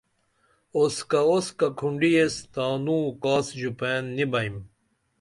اوسکہ اوسکہ کھونڈی ایس تانوں کاس ژوپئین نی بئیم